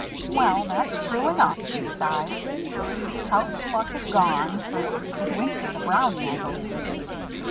"Well, that's true enough," she sighed. "Trout's luck is gone; it went with the Brownie, I believe."